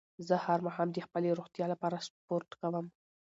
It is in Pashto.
زه هر ماښام د خپلې روغتیا لپاره سپورت کووم